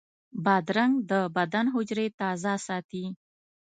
بادرنګ د بدن حجرې تازه ساتي.